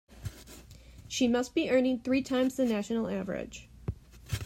She must be earning three times the national average.